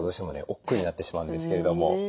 おっくうになってしまうんですけれども。